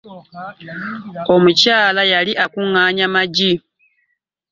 Omukyala yali akungaanya magi.